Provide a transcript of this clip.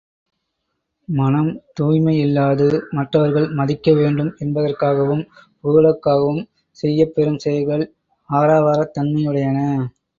மனம் தூய்மையில்லாது மற்றவர்கள் மதிக்க வேண்டும் என்பதற்காகவும் புகழுக்காகவும் செய்யப் பெறும் செயல்கள் ஆரவாரத் தன்மையுடையன.